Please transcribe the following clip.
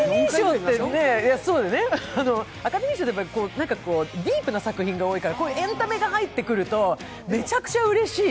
アカデミー賞ってディープな作品が多いからエンタメが入ってくるとめちゃくちゃうれしい。